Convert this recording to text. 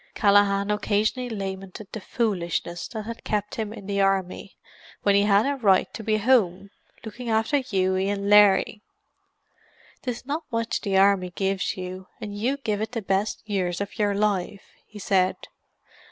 Callaghan occasionally lamented the "foolishness" that had kept him in the Army, when he had a right to be home looking after Hughie and Larry. "'Tis not much the Army gives you, and you giving it the best years of your life," he said.